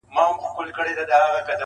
ته خپل پندونه وایه خو باور به د چا راسي-